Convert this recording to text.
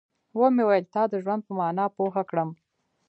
ومې ويل تا د ژوند پر مانا پوه کړم.